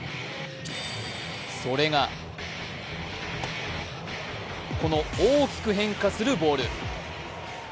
それが、この大きく変化するボール